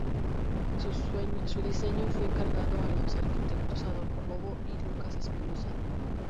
Su diseño fue encargado a los arquitectos "Adolfo Bobo" y "Lucas Espinosa".